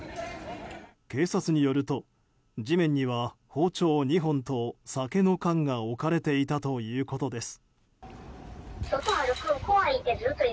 警察によると地面には包丁２本と酒の缶が置かれていたということです。